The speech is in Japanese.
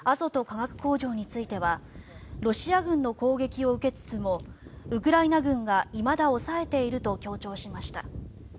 化学工場についてはロシア軍の攻撃を受けつつもウクライナ軍がいまだ押さえていると強調しました。